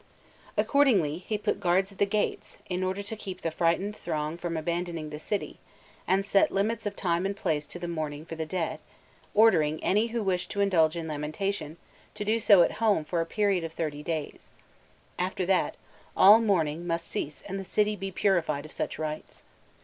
XVIII. Accordingly, he put guards at the gates, in order to keep the frightened throng from abandon ing the city, and set limits of time and place to the mourning for the dead, ordering any who wished to indulge in lamentation, to do so at home for a period of thirty days ; after that, all mourning must cease and the city be purified of such rites.